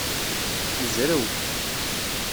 Nezrew.